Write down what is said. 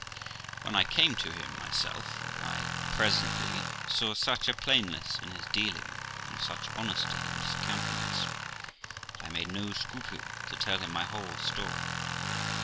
When I came to him, myself, I presently saw such a plainness in his dealing and such honesty in his countenance that I made no scruple to tell him my whole story, viz.